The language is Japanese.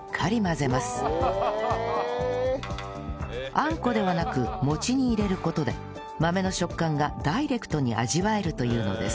あんこではなく餅に入れる事で豆の食感がダイレクトに味わえるというのです